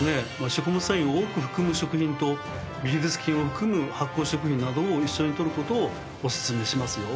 食物繊維を多く含む食品とビフィズス菌を含む発酵食品などを一緒に取る事をおすすめしますよ。